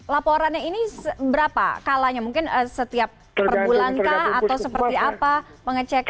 laporannya ini berapa kalanya mungkin setiap perbulan kah atau seperti apa pengecekan